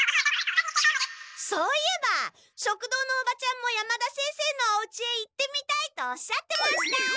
そういえば食堂のおばちゃんも山田先生のおうちへ行ってみたいとおっしゃってました。